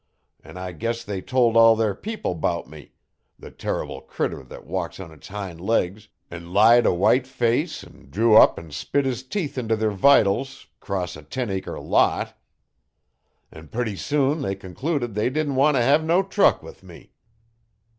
An' I guess they told all their people 'bout me the terrible critter that walked on its hind legs an' lied a white face an' drew up an' spit 'is teeth into their vitals 'cross a ten acre lot. An' putty soon they concluded they didn't want t' hev no truck with me.